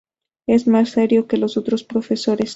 Es más serio que los otros profesores.